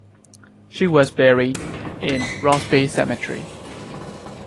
She was buried in Ross Bay Cemetery.